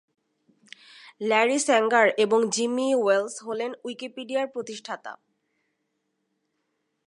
Larry Sanger এবং Jimmy Wales হলেন উইকিপিডিয়ার প্রতিষ্ঠাতা।